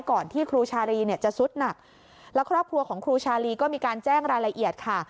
ที่ครูชาลีเนี่ยจะสุดหนักแล้วครอบครัวของครูชาลีก็มีการแจ้งรายละเอียดค่ะ